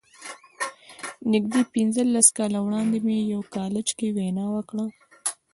نږدې پينځلس کاله وړاندې مې په يوه کالج کې وينا وکړه.